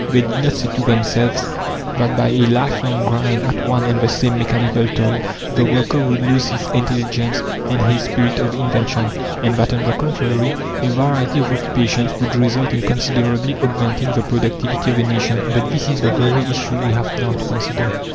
They did not say to themselves that by a lifelong grind at one and the same mechanical toil the worker would lose his intelligence and his spirit of invention, and that, on the contrary, a variety of occupations would result in considerably augmenting the productivity of a nation. But this is the very issue we have now to consider.